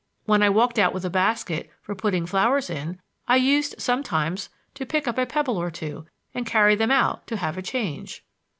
When I walked out with a basket for putting flowers in, I used sometimes to pick up a pebble or two and carry them out to have a change."